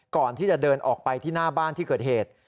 ก่อนที่จะเดินออกไปที่หน้าบ้านที่เกิดเหตุ